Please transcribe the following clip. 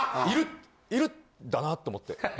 いるいるんだなと思って。